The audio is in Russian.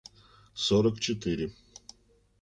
Сорок четыре.